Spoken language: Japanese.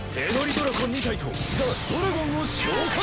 ドラコ２体とザ・ドラゴンを召喚！